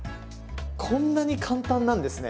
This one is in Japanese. こんなに簡単なんですね。